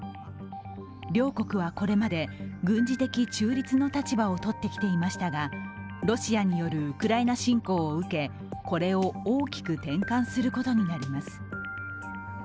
両国は、これまで軍事的中立の立場をとってきていましたがロシアによるウクライナ侵攻を受け、これを大きく転換することになります。